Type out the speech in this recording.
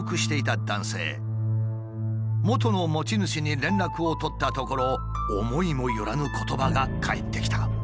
元の持ち主に連絡を取ったところ思いもよらぬ言葉が返ってきた。